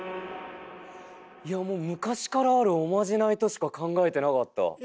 いやもう昔からあるおまじないとしか考えてなかった。